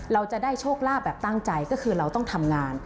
เราจะได้โชคลาภแบบตั้งใจก็คือเราต้องทำงาน